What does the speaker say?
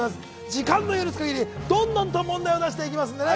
時間の許すかぎり、どんどんと問題を出していきますのでね。